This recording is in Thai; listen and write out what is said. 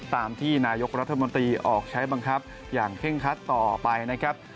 ตามที่นายกรัฐมนตรีออกใช้บังคับอย่างเคร่งคัดต่อไปนะครับ